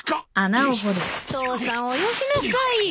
父さんおよしなさいよ。